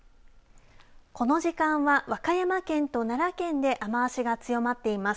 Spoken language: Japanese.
この時間は和歌山県と奈良県で雨足が強まっています。